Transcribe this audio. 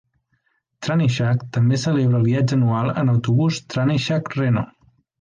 Trannyshack també celebra el viatge anual en autobús Trannyshack Reno.